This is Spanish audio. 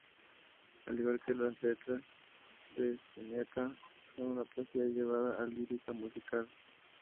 Al igual que las letras de Spinetta, son poesía llevada a la lírica musical.